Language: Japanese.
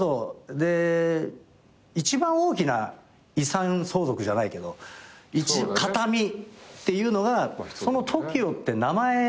で一番大きな遺産相続じゃないけど形見っていうのがＴＯＫＩＯって名前。